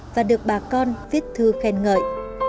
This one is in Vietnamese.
và được bà con viết thư khen ngợi